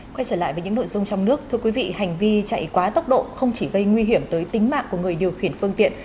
quay trở lại với những nội dung trong nước thưa quý vị hành vi chạy quá tốc độ không chỉ gây nguy hiểm tới tính mạng của người điều khiển phương tiện